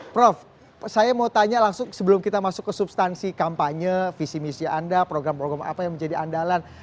prof saya mau tanya langsung sebelum kita masuk ke substansi kampanye visi misi anda program program apa yang menjadi andalan